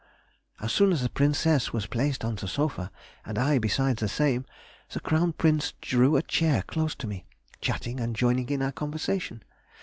As soon as the Princess was placed on the sofa, and I beside the same, the Crown Prince drew a chair close to me, chatting and joining in our conversation.